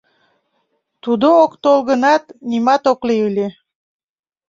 Тудо ок тол гынат, нимат ок лий ыле.